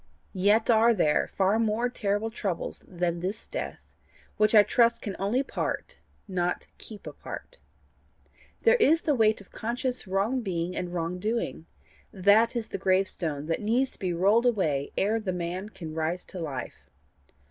Yet are there far more terrible troubles than this death which I trust can only part, not keep apart. There is the weight of conscious wrong being and wrong doing that is the gravestone that needs to be rolled away ere a man can rise to life.